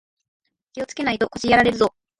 気をつけないと腰やられるぞ